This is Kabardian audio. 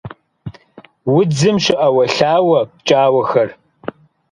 Удзым щоӀэуэлъауэ пкӀауэхэр.